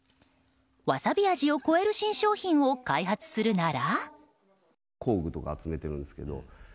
わさび味を超える新商品を開発するなら？